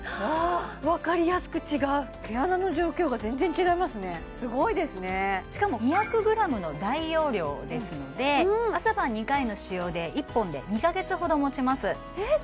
分かりやすく違う毛穴の状況が全然違いますねすごいですねしかも２００グラムの大容量ですので朝晩２回の使用で１本で２カ月ほどもちます